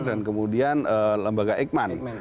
dan kemudian lembaga ikman